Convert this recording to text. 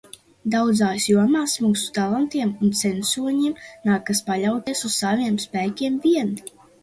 Daudzās jomās mūsu talantiem un censoņiem nākas paļauties uz saviem spēkiem vien.